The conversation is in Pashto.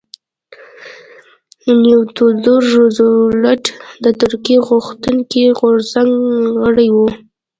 تیودور روزولټ د ترقي غوښتونکي غورځنګ غړی و.